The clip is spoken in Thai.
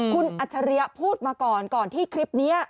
คุณอัชริยะพูดมาก่อนที่คลิปนี้